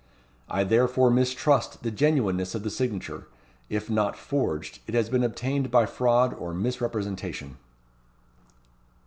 I therefore mistrust the genuineness of the signature. If not forged, it has been obtained by fraud or misrepresentation."